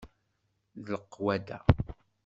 D leqwada.